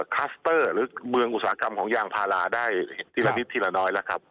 คัสเตอร์หรือเมืองอุตสาหกรรมของยางพาราได้ทีละนิดทีละน้อยแล้วครับ